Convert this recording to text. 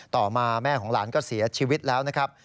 ต่อมาแม่ของหลานก็เสียชีวิตแล้วนะครับ